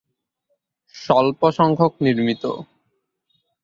স্বল্পসংখ্যক নির্মিত।